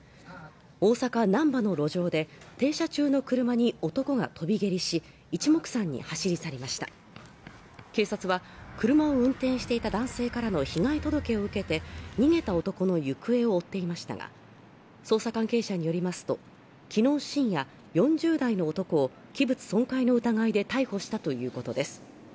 大阪難波の路上で停車中の車に男が跳び蹴りし一目散に走り去りました警察は車を運転していた男性からの被害届を受けて逃げた男の行方を追っていましたが捜査関係者によりますと昨日深夜４０代の男を器物損壊の疑いで逮捕したということです